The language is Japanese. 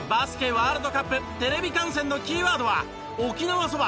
ワールドカップテレビ観戦のキーワードは「沖縄そば」